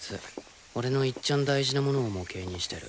俺のいっちゃん大事なものを模型にしてる。